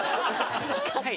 はい！